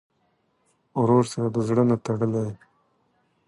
ورور سره د زړه نه تړلې یې.